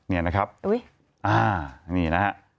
นี่นะครับนี่นะฮะ